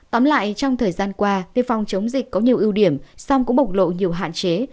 tóm lại trong thời gian qua việc phòng chống dịch có nhiều ưu điểm song cũng bộc lộ nhiều hạn chế